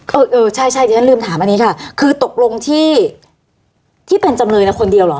เออเออใช่ใช่เดี๋ยวฉันลืมถามอันนี้ค่ะคือตกลงที่เป็นจำเลยนะคนเดียวเหรอ